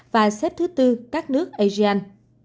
và xếp thứ bốn các nước asean